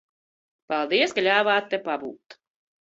Paldies, ka ļāvāt te pabūt.